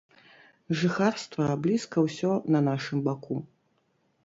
Жыхарства блізка ўсё на нашым баку.